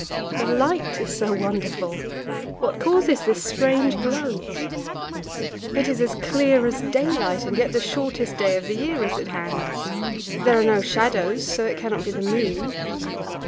The light is so wonderful; what causes this strange glow? It is clear as daylight, and yet the shortest day of the year is at hand. There are no shadows, so it cannot be the moon.